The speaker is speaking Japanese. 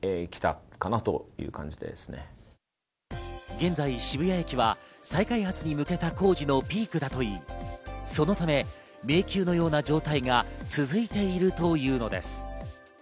現在、渋谷駅は再開発に向けた工事のピークだといい、そのため迷宮のような状態が続いているというのです。